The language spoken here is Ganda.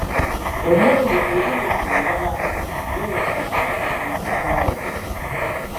Emmondo erumwa enjala n'ensaali ezikaawa.